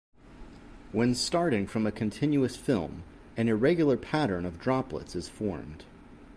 When starting from a continuous film, an irregular pattern of droplets is formed.